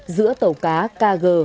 giữa tàu cá kg chín trăm bốn mươi năm